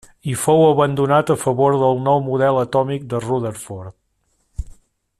I fou abandonat a favor del nou Model atòmic de Rutherford.